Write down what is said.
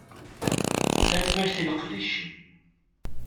Tanemmirt i leqdic-im